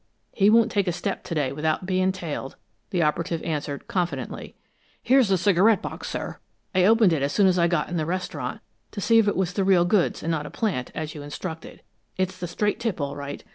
He won't take a step to day without being tailed," the operative answered, confidently. "Here's the cigarette box, sir. I opened it as soon as I got in the restaurant, to see if it was the real goods and not a plant, as you instructed. It's the straight tip, all right.